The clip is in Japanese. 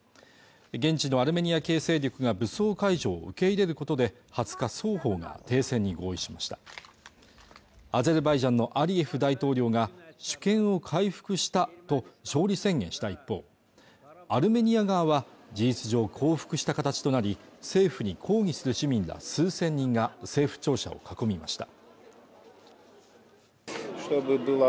現地のアルメニア系勢力が武装解除を受け入れることで２０日双方が停戦に合意しましたアゼルバイジャンのアリエフ大統領が主権を回復したと勝利宣言した一方アルメニア側は事実上降伏した形となり政府に抗議する市民ら数千人が政府庁舎を囲みました